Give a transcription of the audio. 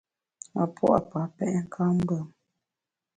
A pua’ pa pèt nkammbùm.